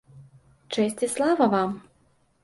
Чэсць і слава вам!